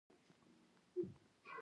هغه دیوال لاندې په کږو وږو تللی وو.